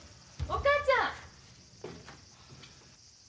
お母ちゃん！